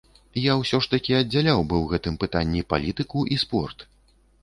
Я ўсё ж такі аддзяляў бы ў гэтым пытанні палітыку і спорт.